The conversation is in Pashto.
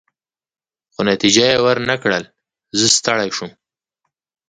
خو نتیجه يې ورنه کړل، زه ستړی شوم.